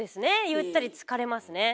ゆったりつかれますね。